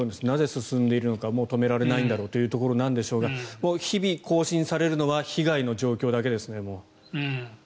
なぜ、進んでいるのかなんで止められないんだろうというところですが日々更新されるのは被害の状況だけですね。